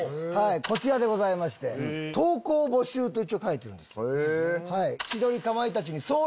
こちらでございまして「投稿募集」と書いてるんです。